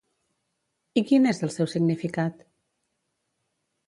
I quin és el seu significat?